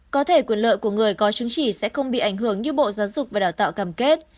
có thể quyền lợi của người có chứng chỉ sẽ không bị ảnh hưởng như bộ giáo dục và đào tạo cam kết